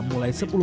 mulai sepuluh bulan